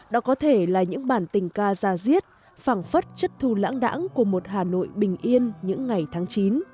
đó có thể là những bản tình ca gia diết phẳng phất chất thu lãng đẳng của một hà nội bình yên những ngày tháng chín